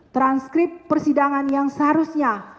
transkrip persidangan yang seharusnya